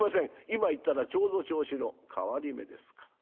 今行ったらちょうど銚子の替り目ですから」。